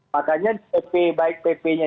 makanya sp baik pp nya